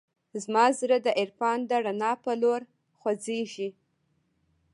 زما زړه د عرفان د رڼا په لور خوځېږي.